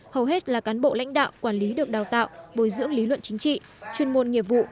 hầu hết là cán bộ lãnh đạo quản lý được đào tạo bồi dưỡng lý luận chính trị chuyên môn nghiệp vụ